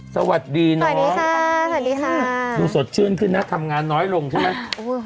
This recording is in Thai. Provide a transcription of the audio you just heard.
สวัสดีนะสวัสดีค่ะสวัสดีค่ะดูสดชื่นขึ้นนะทำงานน้อยลงใช่ไหม